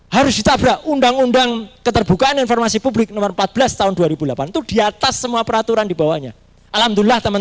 harus ditabrak undang undang keterbukaan informasi publik nomor empat belas tahun dua ribu delapan